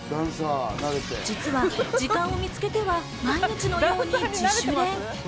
実は時間を見つけては毎日のように自主練。